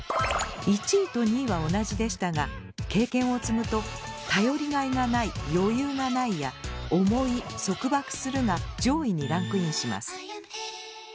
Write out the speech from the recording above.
１位と２位は同じでしたが経験を積むと「頼りがいがない・余裕がない」や「重い・束縛する」が上位にランクインします。